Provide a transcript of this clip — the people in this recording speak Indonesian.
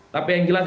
tapi yang jelas